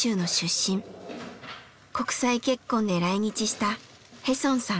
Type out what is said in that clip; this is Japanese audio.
国際結婚で来日したヘソンさん。